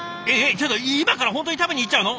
ちょっと今から本当に食べに行っちゃうの？